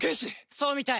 そうみたい！